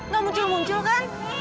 gak muncul muncul kan